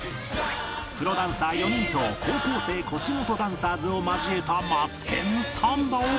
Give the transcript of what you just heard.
プロダンサー４人と高校生腰元ダンサーズを交えた『マツケンサンバ』を